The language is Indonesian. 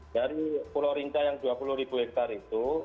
dari pulau rinca yang dua puluh ribu hektare itu